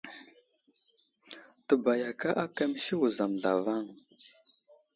Təbayaka ákà məsi wuzam zlavaŋ.